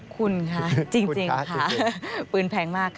คุณคะจริงค่ะปืนแพงมากค่ะ